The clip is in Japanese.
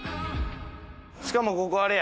しかもここあれや。